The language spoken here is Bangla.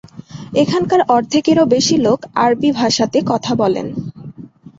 এখানকার অর্ধেকেরও বেশি লোক আরবি ভাষাতে কথা বলেন।